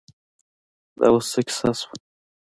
دا اوس څه کیسه شوه.